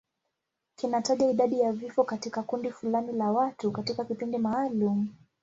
Kinataja idadi ya vifo katika kundi fulani la watu katika kipindi maalum.